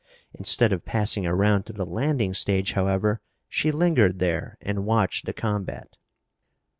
Instead of passing around to the landing stage, however, she lingered there and watched the combat.